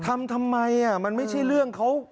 ทำไมมันไม่ใช่เรื่องเขา